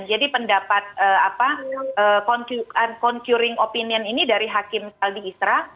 jadi pendapat apa concurring opinion ini dari hakim salbi isra